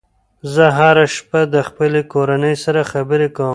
زه هره شپه د خپلې کورنۍ سره خبرې کوم.